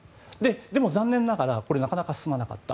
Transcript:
でも残念ながらなかなか進まなかった。